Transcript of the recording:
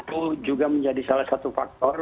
ini tentu juga menjadi salah satu faktor